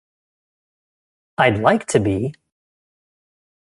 I'd like to be!